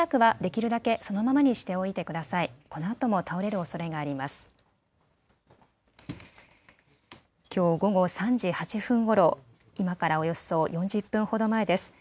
きょう午後３時８分ごろ、今からおよそ４０分ほど前です。